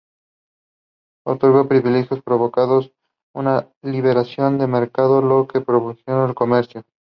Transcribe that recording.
Otorgó privilegios que provocaron una liberalización de mercado, lo que promovió el comercio.